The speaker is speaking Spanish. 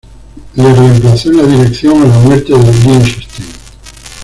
Le reemplazó en la dirección a la muerte de Lichtenstein.